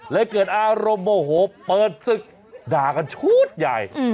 เกิดอารมณ์โมโหเปิดศึกด่ากันชุดใหญ่